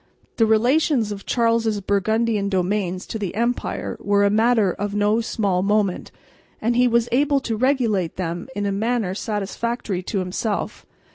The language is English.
The relations of Charles' Burgundian domains to the empire were a matter of no small moment, and he was able to regulate them in a manner satisfactory to himself.